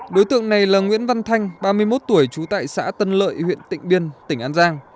đối tượng này là nguyễn văn thanh ba mươi một tuổi trú tại xã tân lợi huyện tịnh biên tỉnh an giang